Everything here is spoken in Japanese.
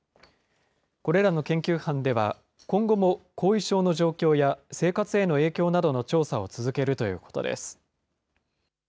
これらの研究班では、今後も後遺症の状況や生活への影響などの調査を続けるということです。